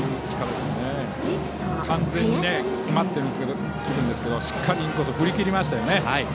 完全に詰まっていた当たりでしたがしっかり振り切りましたね。